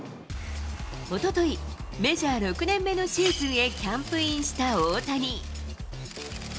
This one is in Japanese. おととい、メジャー６年目のシーズンへキャンプインした大谷。